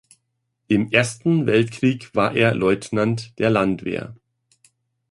Im Ersten Weltkrieg war er Leutnant der Landwehr.